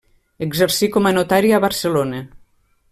Exercí com a notari a Barcelona.